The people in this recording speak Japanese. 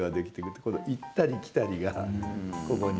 行ったり来たりがここに。